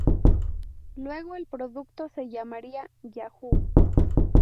Luego el producto se llamaría Yahoo!